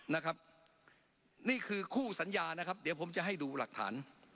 นะครับนี่คือคู่สัญญานะครับเดี๋ยวผมจะให้ดูหลักฐาน